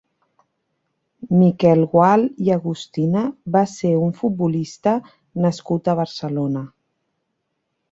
Miquel Gual i Agustina va ser un futbolista nascut a Barcelona.